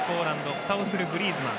ふたをするグリーズマン。